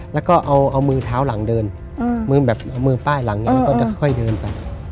แล้วก็เอามือเท้าหลังเดินมือแบบมือป้ายหลังแล้วก็ค่อยเดินไป